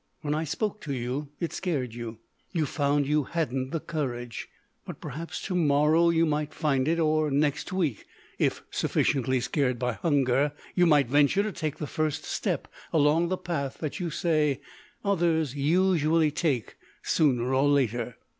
When I spoke to you it scared you. You found you hadn't the courage. But perhaps to morrow you might find it—or next week—if sufficiently scared by hunger—you might venture to take the first step along the path that you say others usually take sooner or later."